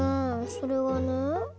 それはね